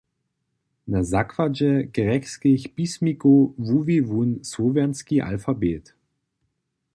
Na zakładźe grjekskich pismikow wuwi wón słowjanski alfabet.